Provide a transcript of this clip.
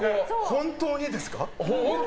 本当にです。